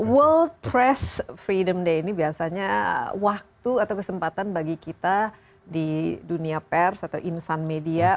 world press freedom day ini biasanya waktu atau kesempatan bagi kita di dunia pers atau insan media